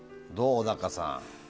小高さん。